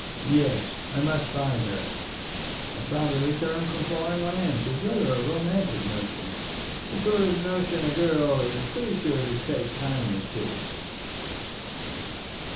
Yes; I must find her. A father returned from foreign lands is rather a romantic notion the sort of notion a girl is pretty sure to take kindly to."